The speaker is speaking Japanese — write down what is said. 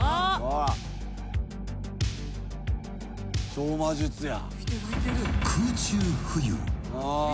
超魔術や。